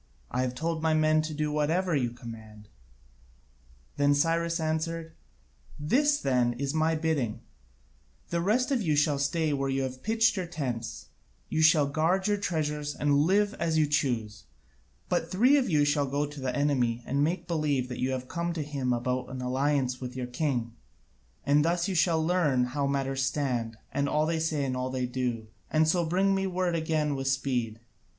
I have told my men to do whatever you command." Then Cyrus answered: "This, then, is my bidding: the rest of you shall stay where you have pitched your tents; you shall guard your treasures and live as you choose: but three of you shall go to the enemy and make believe that you have come to him about an alliance with your king, and thus you shall learn how matters stand, and all they say and all they do, and so bring me word again with speed.